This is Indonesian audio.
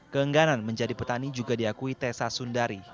keengganan menjadi petani juga diakui tessa sundari